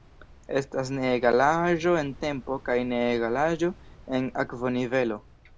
Estas ne-egalaĵo en tempo kaj ne-egalaĵo en akvonivelo.